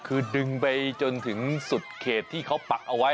คือดึงไปจนถึงสุดเขตที่เขาปักเอาไว้